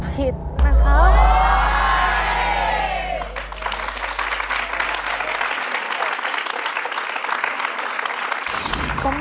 ผิดนะครับ